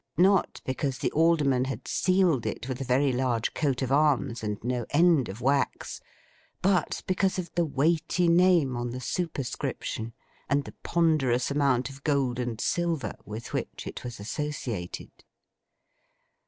Not because the Alderman had sealed it with a very large coat of arms and no end of wax, but because of the weighty name on the superscription, and the ponderous amount of gold and silver with which it was associated.